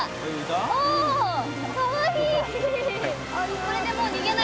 おかわいい。